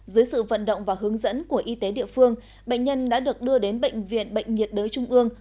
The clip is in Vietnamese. dưới sự vận động và hướng dẫn của y tế địa phương bệnh nhân đã được đưa đến bệnh viện bệnh nhiệt đới trung ương